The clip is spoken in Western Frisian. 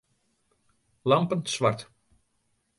Lampen swart.